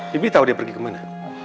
bibi tahu dia pergi kemana